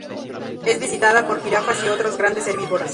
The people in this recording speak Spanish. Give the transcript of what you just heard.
Es visitada por jirafas y otros grandes herbívoros.